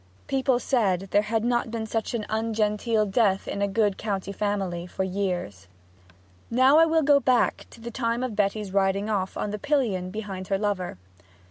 People said there had not been such an ungenteel death in a good county family for years. Now I will go back to the time of Betty's riding off on the pillion behind her lover.